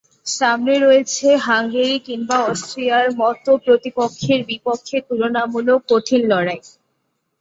সামনে রয়েছে হাঙ্গেরি কিংবা অস্ট্রিয়ার মতো প্রতিপক্ষের বিপক্ষে তুলনামূলক কঠিন লড়াই।